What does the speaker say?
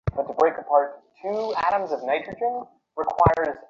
শুভর মেকআপ নেওয়া শেষ হলেও মাহির মেকআপ চটজলদি শেষ হচ্ছে না।